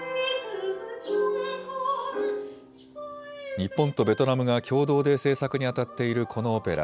日本とベトナムが共同で制作にあたっているこのオペラ。